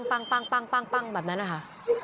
ปั้งปั้งปั้งปั้งปั้งแบบนั้นนะคะ